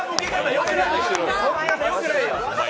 よくないよ、お前。